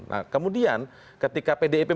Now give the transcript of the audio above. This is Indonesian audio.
nah kemudian ketika pdip